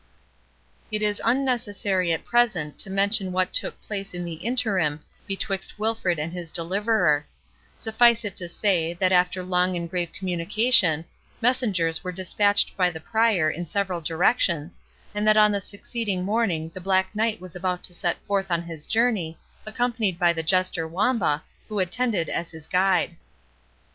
It is unnecessary at present to mention what took place in the interim betwixt Wilfred and his deliverer; suffice it to say, that after long and grave communication, messengers were dispatched by the Prior in several directions, and that on the succeeding morning the Black Knight was about to set forth on his journey, accompanied by the jester Wamba, who attended as his guide.